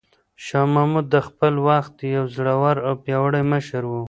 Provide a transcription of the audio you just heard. شاه محمود د خپل وخت یو زړور او پیاوړی مشر و.